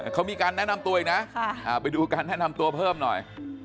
เขามีการแนะนำตัวอีกนะไปดูการแนะนำตัวเพิ่มหน่อย